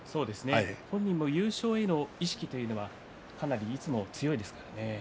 本人も優勝への意識というのはかなり相撲強いですからね。